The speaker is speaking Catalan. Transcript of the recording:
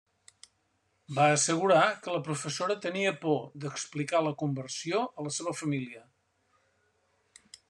Va assegurar que la professora tenia por d'explicar la conversió a la seva família.